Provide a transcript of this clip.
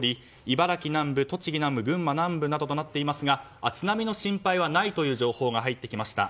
茨城南部栃木南部、群馬南部などとなっていますが津波の心配はないという情報が入ってきました。